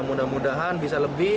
mudah mudahan bisa lebih